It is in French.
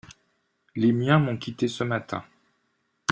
Les miens m'ont quitté ce matin.